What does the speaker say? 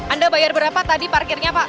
anda bayar berapa tadi parkirnya pak